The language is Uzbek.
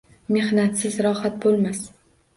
Mehnatsiz rohat bo'lmas.